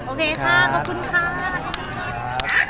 โอเคค่ะขอบคุณค่ะ